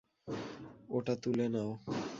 ওটা তুলে নাও।